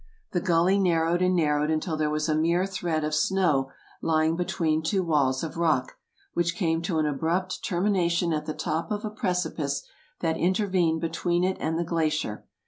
The gully narrowed and narrowed until there was a mere thread of snow lying between two walls of rock, which came to an abrupt ter mination at the top of a precipice that intervened between it and the glacier.